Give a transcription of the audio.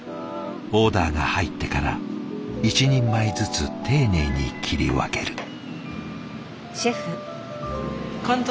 オーダーが入ってから１人前ずつ丁寧に切り分ける。